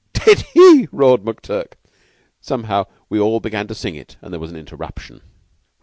"Did he?" roared McTurk. Somehow we all began to sing it, and there was an interruption.